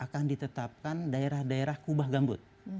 akan ditetapkan daerah daerah kubah gambut